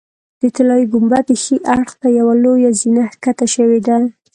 د طلایي ګنبدې ښي اړخ ته یوه لویه زینه ښکته شوې ده.